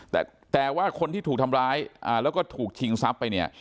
แต่แต่ว่าคนที่ถูกทำร้ายแล้วก็ถูกชิงทรัพย์ไปเนี่ย